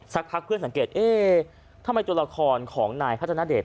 พักเพื่อนสังเกตเอ๊ะทำไมตัวละครของนายพัฒนาเดช